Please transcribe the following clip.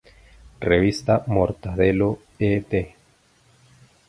Revista Mortadelo Ed.